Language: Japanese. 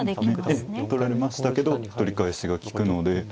ええ取られましたけど取り返しがきくので。